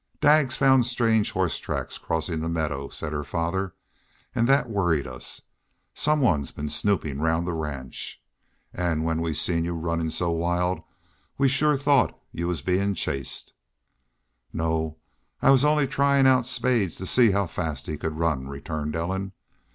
"Daggs found strange horse tracks crossin' the meadow," said her father. "An' that worried us. Some one's been snoopin' round the ranch. An' when we seen you runnin' so wild we shore thought you was bein' chased." "No. I was only trying out Spades to see how fast he could run," returned Ellen.